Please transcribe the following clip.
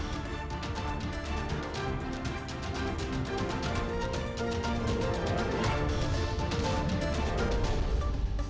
assalamualaikum warahmatullahi wabarakatuh